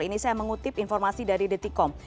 ini saya mengutip informasi dari detikom